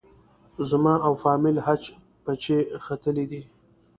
زما او فامیل حج پچې ختلې دي.